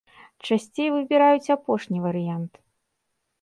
Часцей выбіраюць апошні варыянт.